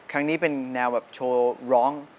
ครั้งนี้เป็นแนวแบบโชว์ร้อง